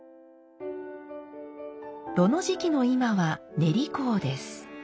炉の時期の今は練香です。